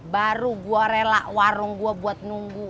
baru gue rela warung gue buat nunggu